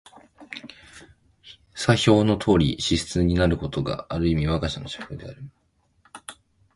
左表のとおりの支出になることが、ある意味わが社の社風である。